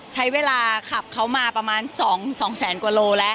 ใช้เวลาขับเขามาประมาณ๒แสนกว่าโลแล้ว